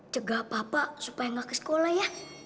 cegah papa supaya nggak ke sekolah ya